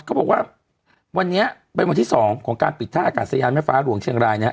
เขาบอกว่าวันนี้เป็นวันที่๒ของการปิดท่าอากาศยานแม่ฟ้าหลวงเชียงรายนะฮะ